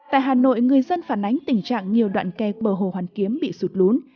tại hà nội người dân phản ánh tình trạng nhiều đoạn kè bờ hồ hoàn kiếm bị sụt lún